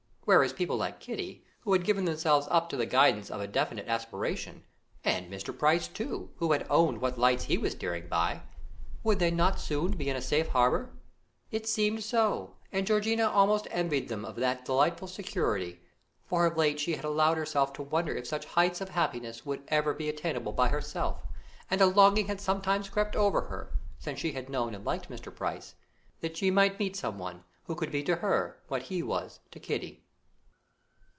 Whereas people like Kitty, who had given themselves up to the guidance of a definite aspiration, and Mr. Price, too, who had owned what lights he was steering by, would they not soon be in safe harbour? It seemed so, and Georgiana almost envied them of that delightful security, for of late she had allowed herself to wonder if such heights of happiness would ever be attainable by herself, and a longing had sometimes crept over her, since she had known and liked Mr. Price, that she might meet someone who could be to her what he was to Kitty.